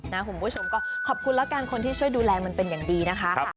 คุณผู้ชมก็ขอบคุณแล้วกันคนที่ช่วยดูแลมันเป็นอย่างดีนะคะ